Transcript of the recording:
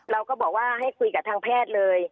เราก็บอกว่าให้คุยกับทางแพทย์เลย